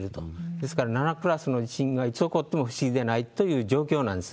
ですから７クラスの地震がいつ起こっても不思議じゃないという状況なんです。